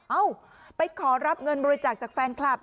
เอ้าไปขอรับเงินบริจาคจากแฟนคลับ